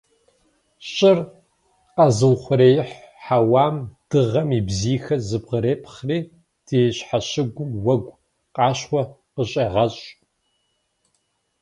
Щӏыр къэзыухъуреихь хьэуам Дыгъэм и бзийхэр зэбгрепхъри ди щхьэщыгум уэгу къащхъуэ къыщегъэщӏ.